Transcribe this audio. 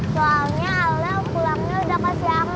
soalnya ale pulangnya udah kasih aman